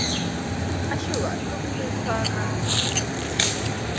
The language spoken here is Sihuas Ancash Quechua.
Akshuqa tuktuykannami.